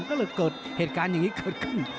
ก็เลยเกิดเหตุการณ์อย่างนี้เกิดขึ้น